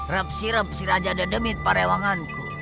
repsi repsi raja dedemit parewanganku